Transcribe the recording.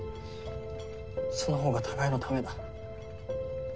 その方が互いのためだ。